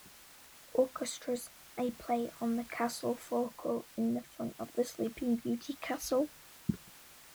Orchestras may play on the castle forecourt in front of Sleeping Beauty Castle.